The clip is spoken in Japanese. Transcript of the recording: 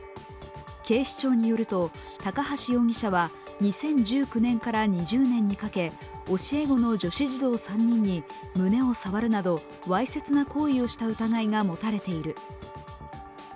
警視庁によると高橋容疑者は２０１９年から２０年にかけ教え子の女子児童３人に胸を触るなどわいせつな行為をした疑いが持たれている。